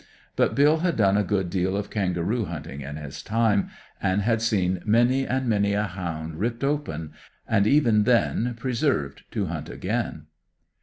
But Bill had done a good deal of kangaroo hunting in his time, and had seen many and many a hound ripped open, and even then preserved to hunt again.